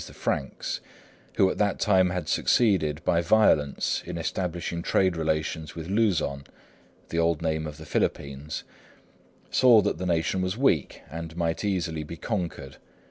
_ the Franks), who at that time had succeeded by violence in establishing trade relations with Luzon (the old name of the Philippines), saw that the nation was weak, and might easily be conquered.